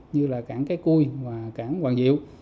như là cảng cái cui và cảng hoàng diệu